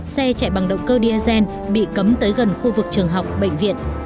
xe chạy bằng động cơ diesel bị cấm tới gần khu vực trường học bệnh viện